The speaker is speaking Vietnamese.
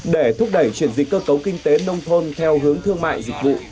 để thúc đẩy chuyển dịch cơ cấu kinh tế nông thôn theo hướng thương mại dịch vụ